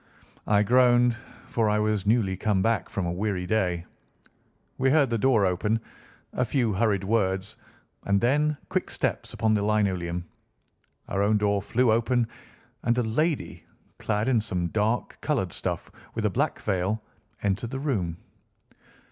I groaned, for I was newly come back from a weary day. We heard the door open, a few hurried words, and then quick steps upon the linoleum. Our own door flew open, and a lady, clad in some dark coloured stuff, with a black veil, entered the room.